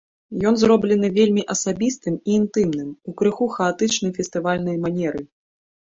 Ён зроблены вельмі асабістым і інтымным, у крыху хаатычнай фестывальнай манеры.